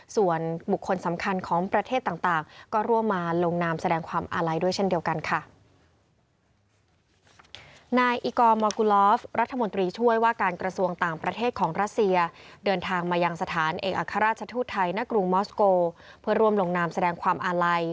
ส่วนบุคคลสำคัญของประเทศต่างก็ร่วมมาลงนามแสดงความอาลัยด้วยเช่นเดียวกันค่ะ